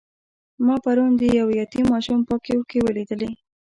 ما پرون د یو یتیم ماشوم پاکې اوښکې ولیدلې.